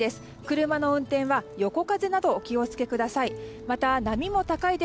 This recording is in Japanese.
車の運転は横風などお気を付けください。